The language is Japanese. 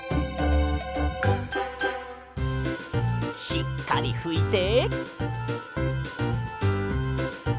しっかりふいて。